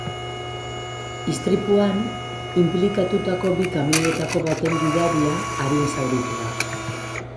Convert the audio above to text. Istripuan inplikatutako bi kamioietako baten gidaria arin zauritu da.